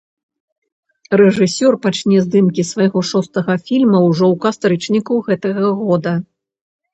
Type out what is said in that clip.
Рэжысёр пачне здымкі свайго шостага фільма ўжо ў кастрычніку гэтага года.